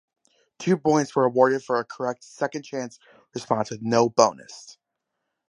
Two points were awarded for a correct second-chance response, with no bonus.